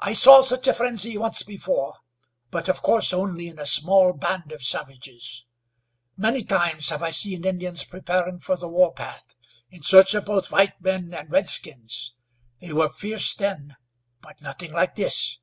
"I saw such a frenzy once before, but, of course, only in a small band of savages. Many times have I seen Indians preparing for the war path, in search of both white men and redskins. They were fierce then, but nothing like this.